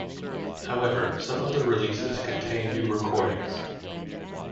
However, some other releases contain new recordings.